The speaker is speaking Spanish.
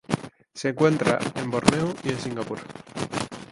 Se encuentra en Borneo y Singapur.